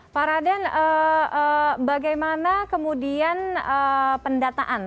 pak raden bagaimana kemudian pendataan